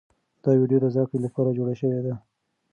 دا ویډیو د زده کړې لپاره جوړه شوې ده.